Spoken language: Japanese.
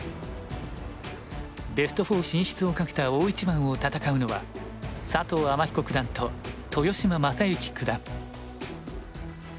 ベスト４進出をかけた大一番を戦うのは佐藤天彦九段と豊島将之九段。